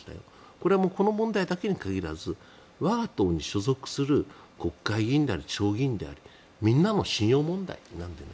これはこの問題だけに限らず我が党に所属する国会議員であれ地方議員であれみんなの信用問題なんでね。